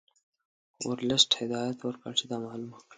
ورلسټ هدایت ورکړ چې دا معلومه کړي.